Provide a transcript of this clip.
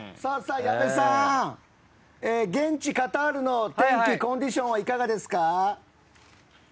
矢部さん、現地カタールの天気、コンディションはいかがですか？